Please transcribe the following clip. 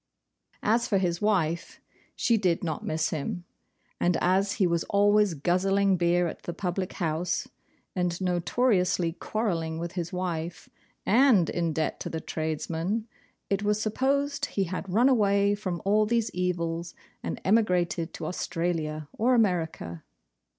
As for his wife, she did not miss him; and as he was always guzzling beer at the public house, and notoriously quarrelling with his wife, and in debt to the tradesmen, it was supposed he had run away from all these evils, and emigrated to Australia or America.